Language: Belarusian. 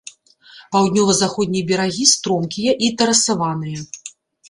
Паўднёва-заходнія берагі стромкія і тэрасаваныя.